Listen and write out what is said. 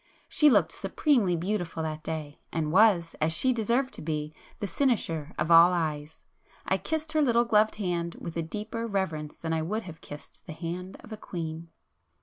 She looked supremely beautiful that day, and was, as she deserved to be, the cynosure of all eyes. I kissed her little gloved hand with a deeper reverence than I would have kissed the hand of a queen.